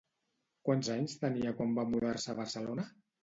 Quants anys tenia quan va mudar-se a Barcelona?